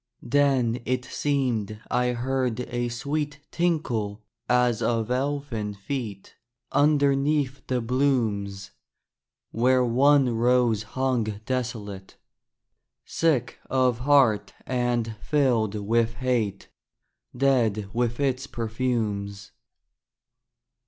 Then it seemed I heard a sweet Tinkle as of elfin feet Underneath the blooms, Where one rose hung desolate, Sick of heart and filled with hate, Dead with its perfumes.